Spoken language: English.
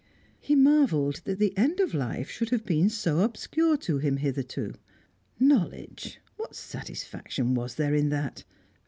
He marvelled that the end of life should have been so obscure to him hitherto. Knowledge! What satisfaction was there in that?